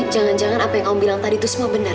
jangan jangan apa yang kamu bilang tadi itu semua benar